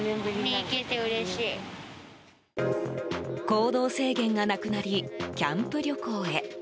行動制限がなくなりキャンプ旅行へ。